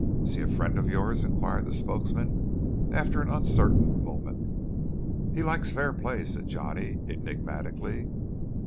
"Is he a friend of yours?" inquired the spokesman after an uncertain moment. "He likes fair play," said Johnny enigmatically.